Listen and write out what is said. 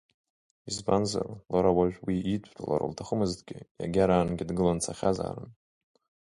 Избанзар, лара уажә уи идтәалара лҭахымызҭгьы, иагьараангьы дгылан дцахьазаарын.